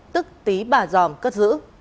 tức tí bà giòm cất giữ